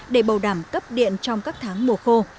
để bầu đảm cấp điện trong các tháng mùa khô